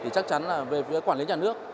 chắc chắn là về phía quản lý nhà nước